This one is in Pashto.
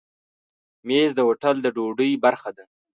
مېز د هوټل د ډوډۍ برخه ده.